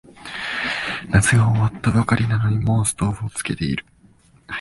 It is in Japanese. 夏が終わったばかりなのにもうストーブつけてる